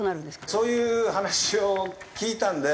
そういう話を聞いたんで。